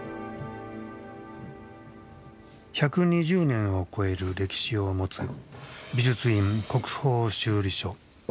１２０年を超える歴史を持つ美術院国宝修理所。